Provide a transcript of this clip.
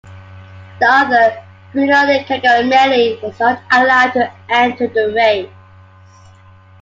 The other, Bruno Giacomelli, was not allowed to enter the race.